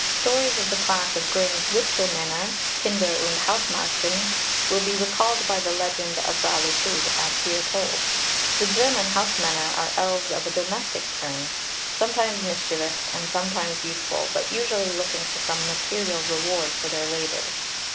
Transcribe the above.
Stories of the class of Grimm's Witchelmänner (Kinder und Hausmärchen) will be recalled by the legend of Rowli Pugh as here told. The German Hausmänner are elves of a domestic turn, sometimes mischievous and sometimes useful, but usually looking for some material reward for their labours.